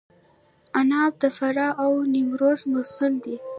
عناب د فراه او نیمروز محصول دی.